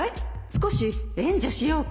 少し援助しようか？